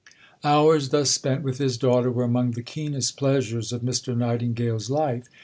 Hours thus spent with his daughter were among the keenest pleasures of Mr. Nightingale's life.